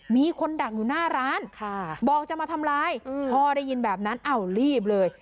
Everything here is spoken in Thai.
มีคนดักอยู่หน้าร้านบอกจะมาทำร้ายพ่อได้ยินแบบนั้นอ้าวรีบเลย